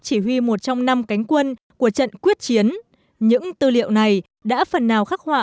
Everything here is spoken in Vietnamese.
chỉ huy một trong năm cánh quân của trận quyết chiến những tư liệu này đã phần nào khắc họa